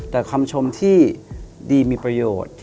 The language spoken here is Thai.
แต่คำชมที่ดีมีประโยชน์